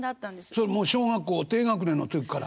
それもう小学校低学年の時から？